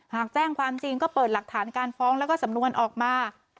หากแจ้งความจริงก็เปิดหลักฐานการฟ้องแล้วก็สำนวนออกมา